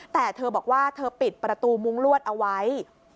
แต่เธอบอกว่าเธอปิดประตูมุ้งลวดเอาไว้